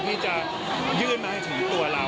ให้จะยื่นมาถึงตัวเรา